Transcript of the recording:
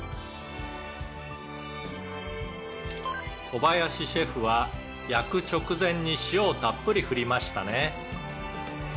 「小林シェフは焼く直前に塩をたっぷり振りましたね」